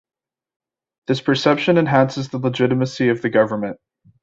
This perception enhances the legitimacy of the government.